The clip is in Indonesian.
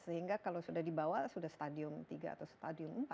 sehingga kalau sudah dibawa sudah stadium tiga atau stadium empat